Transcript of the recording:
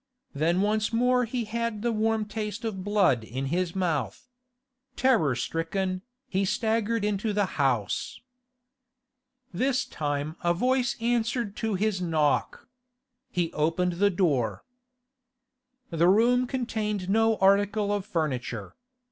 Then once more he had the warm taste of blood in his mouth. Terror stricken, he staggered into the house. This time a voice answered to his knock. He opened the door. The room contained no article of furniture.